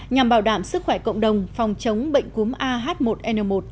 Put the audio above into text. nhằm bảo đảm sức khỏe cộng đồng phòng chống bệnh cúm ah một n một